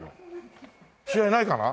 試合ないかな？